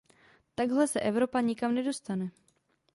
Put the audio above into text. Takhle se Evropa nikam nedostane.